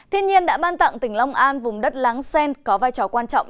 thiên nhiên đã ban tặng tỉnh long an vùng đất láng sen có vai trò quan trọng